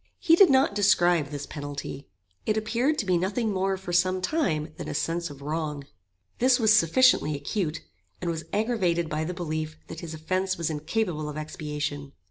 He did not describe this penalty. It appeared to be nothing more for some time than a sense of wrong. This was sufficiently acute, and was aggravated by the belief that his offence was incapable of expiation.